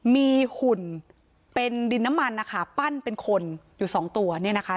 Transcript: มีหุ่นเป็นดินน้ำมันนะคะปั้นเป็นคนอยู่สองตัวเนี่ยนะคะ